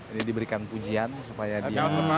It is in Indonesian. ini diberikan pujian supaya dia